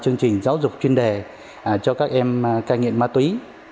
chương trình giáo dục chuyên đề cho các em ca nghiện ma túy